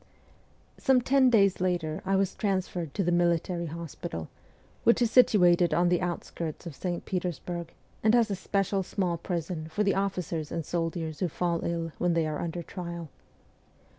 Some ten days later I was transferred to the military hospital, which is situated on the outskirts of St. Petersburg, and has a special small prison for the officers and soldiers who fall ill when they are under trial.